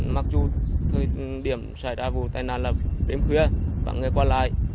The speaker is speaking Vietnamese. mặc dù thời điểm xảy ra vụ tai nạn là đêm khuya vắng người qua lại